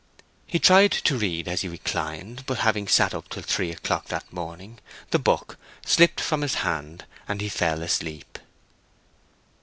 He tried to read as he reclined, but having sat up till three o'clock that morning, the book slipped from his hand and he fell asleep.